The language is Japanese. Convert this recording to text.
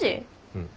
うん。